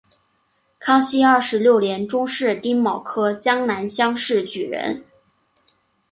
康熙二十六年中式丁卯科江南乡试举人。